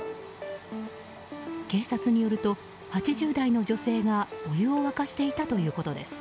警察によると、８０代の女性がお湯を沸かしていたということです。